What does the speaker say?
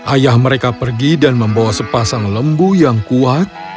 ayah mereka pergi dan membawa sepasang lembu yang kuat